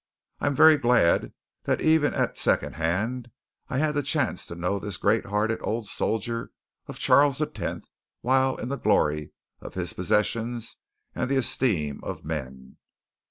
I am very glad that even at second hand I had the chance to know this great hearted old soldier of Charles X while in the glory of his possessions and the esteem of men.